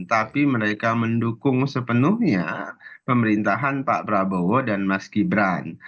tapi mereka mendukung sepenuhnya pemerintahan pak prabowo dan mas gibran